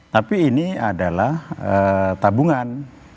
tapi ini adalah tabungan